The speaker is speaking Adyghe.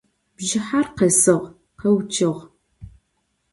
Bjjıher khesığ, kheuççı'ığ.